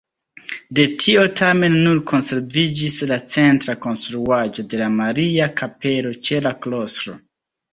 De tio tamen nur konserviĝis la centra konstruaĵo de la Maria-Kapelo ĉe la klostro.